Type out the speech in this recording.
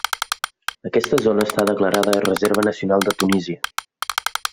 Aquesta zona està declarada reserva nacional de Tunísia.